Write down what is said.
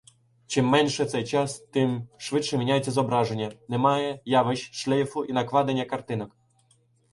Чим менше цей час, тим швидше міняється зображення, немає явищ шлейфу і накладення картинок.